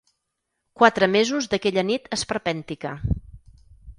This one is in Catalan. Quatre mesos d’aquella nit esperpèntica.